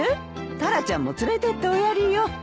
タラちゃんも連れてっておやりよ。